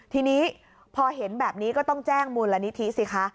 ทีนี้พอเห็นแบบนี้ก็ต้องแจ้งมูลนิธิสิคะ